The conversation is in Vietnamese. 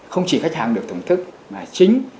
không chỉ khách hàng được thưởng thức mà chính